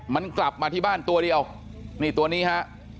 มันกลับมาที่บ้านตัวเดียวนี่ตัวนี้ฮะ